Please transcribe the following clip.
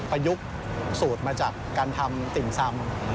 ประยุกต์สูตรมาจากการทำติ่มซำ